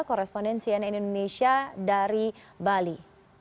korespondensi nn indonesia dari bali